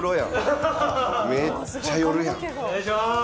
お願いしまーす！